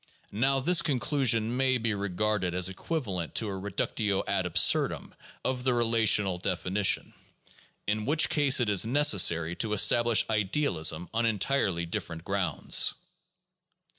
Now this conclusion may be regarded as equivalent to a reductio ad absurdum of the relational definition; in which case it is necessary to establish idealism on entirely different grounds.